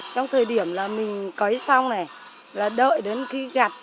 trong thời điểm là mình cấy xong này là đợi đến khi gặt